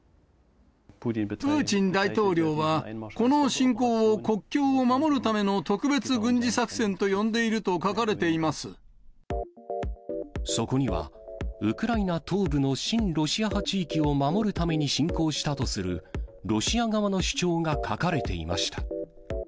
プーチン大統領は、この侵攻を国境を守るための特別軍事作戦と呼んでいると書かれてそこには、ウクライナ東部の親ロシア派地域を守るために侵攻したとする、ロシア側の主張が書かれていました。